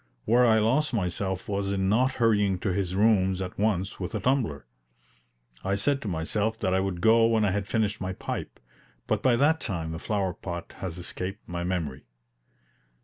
Where I lost myself was in not hurrying to his rooms at once with a tumbler. I said to myself that I would go when I had finished my pipe, but by that time the flower pot has escaped my memory.